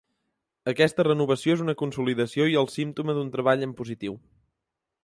Aquesta renovació és una consolidació i el símptoma d’un treball en positiu.